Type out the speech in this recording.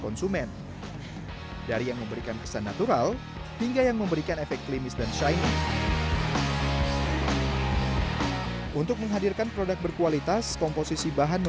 kita akan lakukan itu apa sih